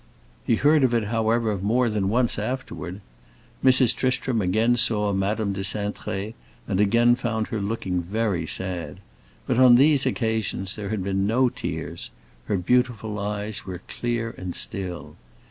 He heard of it, however, more than once afterward. Mrs. Tristram again saw Madame de Cintré, and again found her looking very sad. But on these occasions there had been no tears; her beautiful eyes were clear and still.